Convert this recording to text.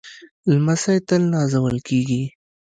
لمسی تل نازول کېږي.